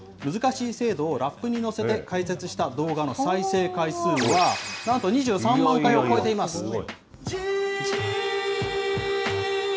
難しい制度をラップに乗せて解説した動画の再生回数は、なんと２３万回を超えています。